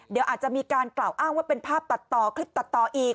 เดี๋ยวอาจจะมีการกล่าวอ้างว่าเป็นภาพตัดต่อคลิปตัดต่ออีก